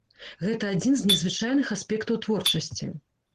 Гэта адзін з незвычайных аспектаў творчасці.